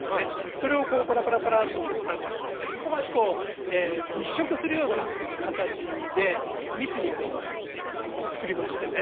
それをパラパラパラっと種をまいて少し密植するような形で密につくりましてね